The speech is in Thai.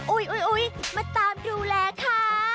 อุ๊ยมาตามดูแลค่ะ